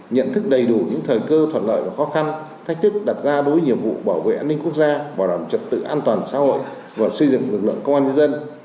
nhận thức đầy đủ những thời cơ thuận lợi và khó khăn thách thức đặt ra đối với nhiệm vụ bảo vệ an ninh quốc gia bảo đảm trật tự an toàn xã hội và xây dựng lực lượng công an nhân dân